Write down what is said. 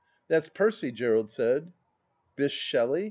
" That's Percy," Gerald said. " —Bysshe Shelley